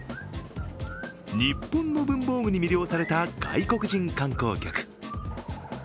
日本の文房具に魅了された外国人観光客。